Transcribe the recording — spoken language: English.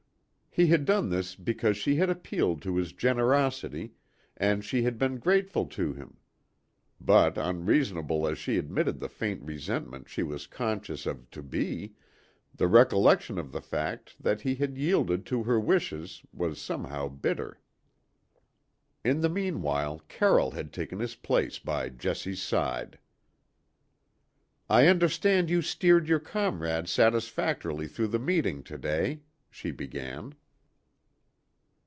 He had done this because she had appealed to his generosity, and she had been grateful to him; but, unreasonable as she admitted the faint resentment she was conscious of to be, the recollection of the fact that he had yielded to her wishes was somehow bitter. In the meanwhile, Carroll had taken his place by Jessie's side. "I understand you steered your comrade satisfactorily through the meeting to day," she began.